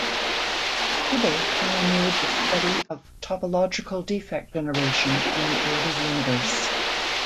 Kibble pioneered the study of topological defect generation in the early universe.